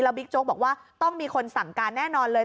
บิ๊กโจ๊กบอกว่าต้องมีคนสั่งการแน่นอนเลย